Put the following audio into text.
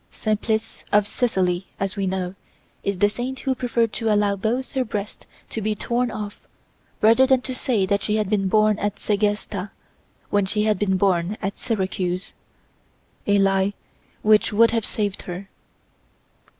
Simplice of Sicily, as we know, is the saint who preferred to allow both her breasts to be torn off rather than to say that she had been born at Segesta when she had been born at Syracuse—a lie which would have saved her.